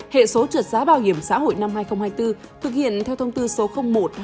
hệ số trượt giá bảo hiểm xã hội năm hai nghìn hai mươi bốn thực hiện theo thông tư số một hai nghìn hai mươi ba tt bld tb xh